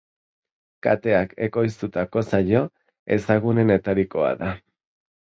Kateak ekoiztutako saio ezagunenetarikoa da.